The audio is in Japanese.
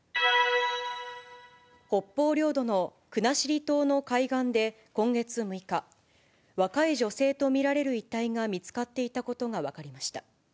北方領土の国後島の海岸で今月６日、若い女性と見られる遺体が見つかっていたことが分かりました。